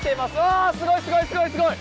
ああ、すごいすごいすごい。